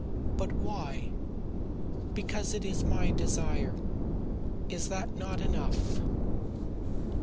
"But why?" "Because it is my desire. Is that not enough?"